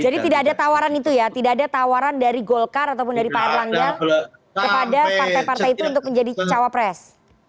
jadi tidak ada tawaran itu ya tidak ada tawaran dari golkar ataupun dari pak erlangga kepada partai partai itu untuk menjadi cowok pres